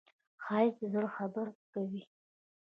ښایست د زړه خبرې کوي